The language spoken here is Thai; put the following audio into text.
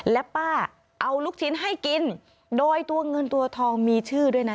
และป้าเอาลูกชิ้นให้กินโดยตัวเงินตัวทองมีชื่อด้วยนะ